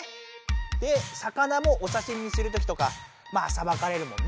で魚もおさしみにするときとかまあさばかれるもんね。